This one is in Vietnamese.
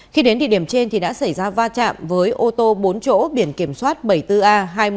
khi đến địa điểm trên đã xảy ra va chạm với ô tô bốn chỗ biển kiểm soát bảy mươi bốn a hai mươi một nghìn tám trăm bốn mươi năm